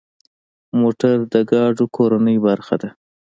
موټر د ګاډو کورنۍ برخه ده.